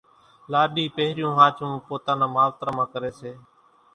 لاڏي پھريون ۿاچمون پوتا نان ماوتران مان ڪري سي۔